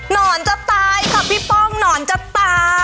นอนจะตายค่ะพี่ป้องหนอนจะตาย